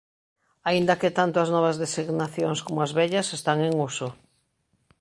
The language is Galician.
Aínda que tanto as novas designacións coma as vellas están en uso.